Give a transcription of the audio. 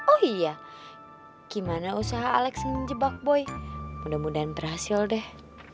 oh iya gimana usaha alex menjebak boy mudah mudahan berhasil deh